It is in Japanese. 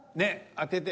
当てて。